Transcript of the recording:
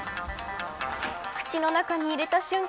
口の中に入れた瞬間